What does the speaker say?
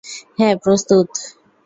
হ্যাঁ, প্রস্তুত!